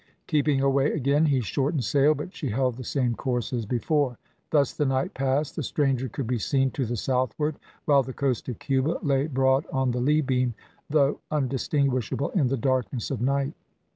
Keeping away again, he shortened sail, but she held the same course as before. Thus the night passed, the stranger could be seen to the southward, while the coast of Cuba lay broad on the lee beam, though undistinguishable in the darkness of night.